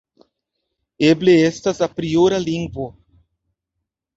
Eble estas apriora lingvo.